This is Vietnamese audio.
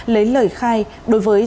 lấy lời khai đối với